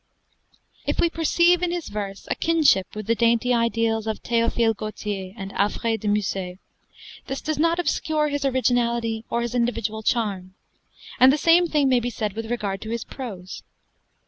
If we perceive in his verse a kinship with the dainty ideals of Théophile Gautier and Alfred de Musset, this does not obscure his originality or his individual charm; and the same thing may be said with regard to his prose.